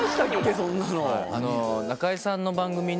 そんなの。